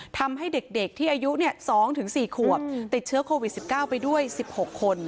ทำให้เด็กที่อายุ๒๔ขวบติดเชื้อโควิด๑๙ไปด้วย๑๖คน